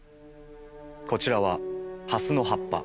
こちらはハスの葉っぱ。